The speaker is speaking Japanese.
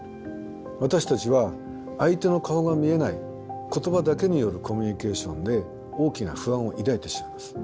私たちは相手の顔が見えない言葉だけによるコミュニケーションで大きな不安を抱いてしまいます。